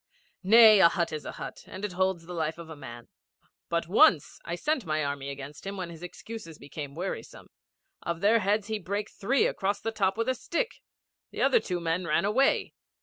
'Nay, a hut is a hut, and it holds the life of a man. But once, I sent my army against him when his excuses became wearisome: of their heads he brake three across the top with a stick. The other two men ran away.